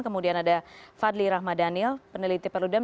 kemudian ada fadli rahmadanil peneliti perludem